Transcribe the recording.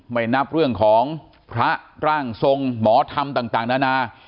ไม่นับเรื่องของพระร่างทรงหมอธรรมต่างนานา